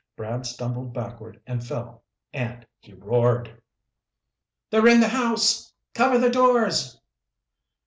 Brad stumbled backward and fell, and he roared. "They're in the house! Cover the doors!"